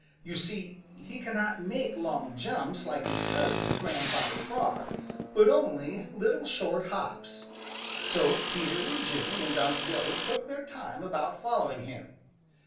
You see he cannot make long jumps like his cousin, Grandfather Frog, but only little short hops. So Peter and Jimmy and Unc' Billy took their time about following him.